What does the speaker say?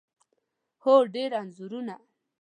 هو، ډیر انځورونه